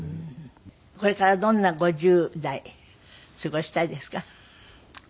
これからどんな５０代過ごしたいですか？